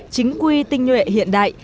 chính quy tinh nguyện hiện đại